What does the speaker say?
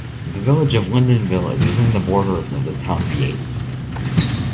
The Village of Lyndonville is within the borders of the Town of Yates.